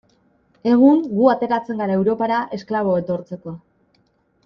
Egun gu ateratzen gara Europara esklabo etortzeko.